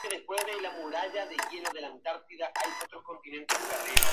Ross le da una oportunidad, más tarde acompañada por el veterano Expendables.